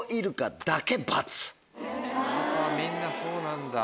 あとはみんなそうなんだ。